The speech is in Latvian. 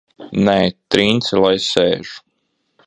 Nē, Trince lai sēž!